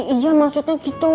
iya maksudnya gitu